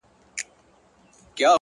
اور او اوبه یې د تیارې او د رڼا لوري!!